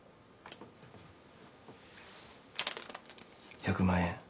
１００万円